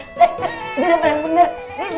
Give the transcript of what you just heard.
eh gampang mendingan